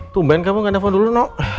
tumpain kamu gak nelfon dulu no